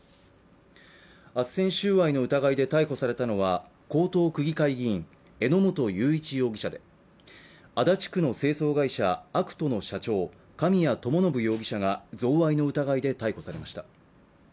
あっせん収賄の疑いで逮捕されたのは江東区議会議員、榎本雄一容疑者で足立区の清掃会社、アクトの社長、神谷知伸容疑者が贈賄の疑いで逮捕されました。